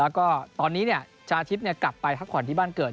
แล้วก็ตอนนี้ชาวอาทิตย์กลับไปทักขวัญที่บ้านเกิด